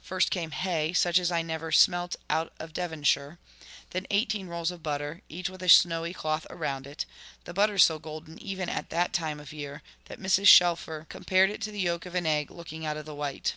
First came hay, such as I never smelt out of Devonshire; then eighteen rolls of butter, each with a snowy cloth around it; the butter so golden even at that time of year, that Mrs. Shelfer compared it to the yolk of an egg looking out of the white.